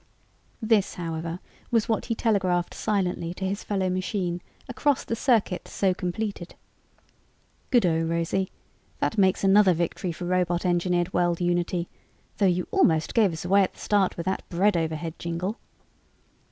This, however, was what he telegraphed silently to his fellow machine across the circuit so completed: "Good o, Rosie! That makes another victory for robot engineered world unity, though you almost gave us away at the start with that 'bread overhead' jingle.